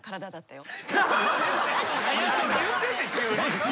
何言うてんねん急に。